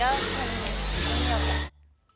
ก็ไม่มีแล้วกัน